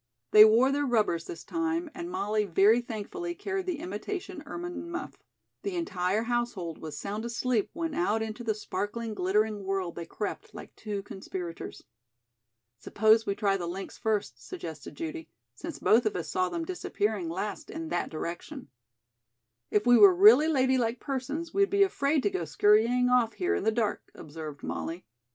They wore their rubbers this time, and Molly very thankfully carried the imitation ermine muff. The entire household was sound asleep when out into the sparkling, glittering world they crept like two conspirators. "Suppose we try the links first," suggested Judy, "since both of us saw them disappearing last in that direction." "If we were really ladylike persons we'd be afraid to go scurrying off here in the dark," observed Molly.